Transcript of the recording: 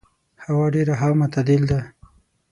هوا ډېر ښه او معتدل ده.